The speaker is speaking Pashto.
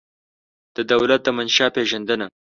د دولت د منشا پېژندنه